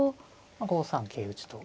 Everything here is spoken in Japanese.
５三桂打と。